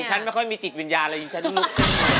ก็ฉันไม่มีจิตเป็นยาอะไรจริง